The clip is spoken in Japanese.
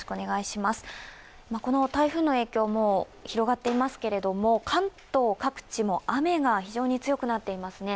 この台風の影響もう広がっていますけれども、関東各地も雨が非常に強くなっていますね。